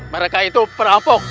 mereka itu perampok